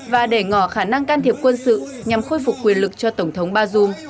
và để ngỏ khả năng can thiệp quân sự nhằm khôi phục quyền lực cho tổng thống bazoum